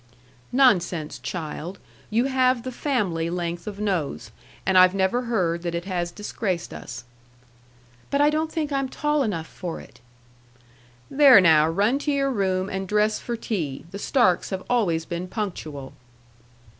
"Nonsense, child. You have the family length of nose, and I've never heard that it has disgraced us." "But I don't think I'm tall enough for it." "There now, run to your room, and dress for tea. The Starks have always been punctual."